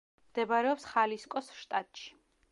მდებარეობს ხალისკოს შტატში.